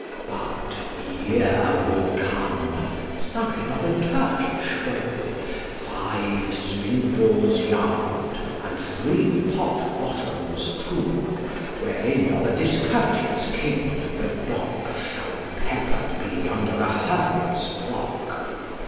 But th' year will come, sign of a Turkish bow, Five spindles yarn'd, and three pot bottoms too, Wherein of a discourteous king the dock Shall pepper'd be under an hermit's frock.